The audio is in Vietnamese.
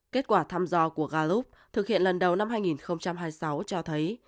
kết quả thăm dò của garov thực hiện lần đầu năm hai nghìn hai mươi sáu cho thấy